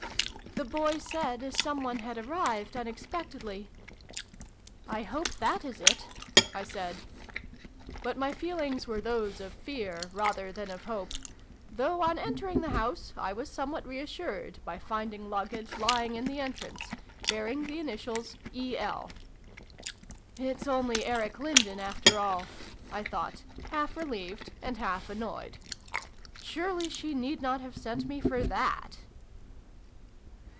" The boy said as some one had arrived unexpectedly ." 11 I hope that is it !" I said. But my feelings were those of fear rather than of hope : though, on entering the house, I was somewhat reassured by finding luggage lying in the entrance, bear ing the initials " E. L." " It's only Eric Lindon after all !" I thought, half relieved and half annoyed. " Surely she need not have sent for me for that